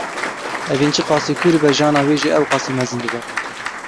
Evîn çi qasî kûr be, jana wê jî ew qasî mezin dibe.